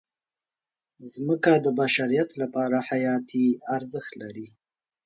مځکه د بشریت لپاره حیاتي ارزښت لري.